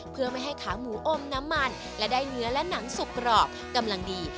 เพื่อไม่ให้ขาหมูอมน้ำมันและได้เนื้อและหนังสุกกรอบกำลังดี